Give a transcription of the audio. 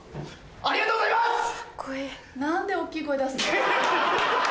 ありがとうございます‼声。